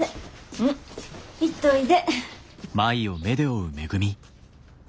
うん行っといで。